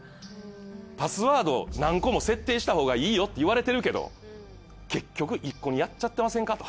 パスワード何個も設定したほうがいいよって言われてるけど結局１個にやっちゃってませんかと。